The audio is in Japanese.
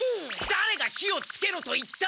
だれが火をつけろと言った！？